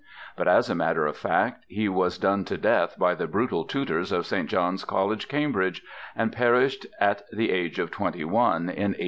But as a matter of fact, he was done to death by the brutal tutors of St. John's College, Cambridge, and perished at the age of twenty one, in 1806.